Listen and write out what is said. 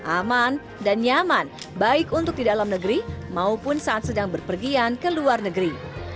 aman dan nyaman baik untuk di dalam negeri maupun saat sedang berpergian ke luar negeri